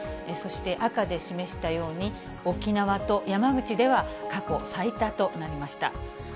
そして赤で示したように、沖縄と山口では、過去最多となりました。